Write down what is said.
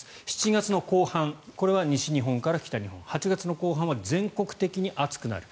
７月後半これは西日本から北日本８月の後半は全国的に暑くなる。